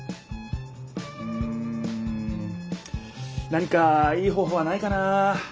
何かいい方ほうはないかな？